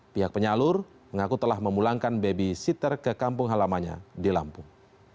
pihak penyalur mengaku telah memulangkan babysitter ke kampung halamannya di lampung